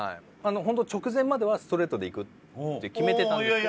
本当は直前まではストレートでいくって決めてたんですけど。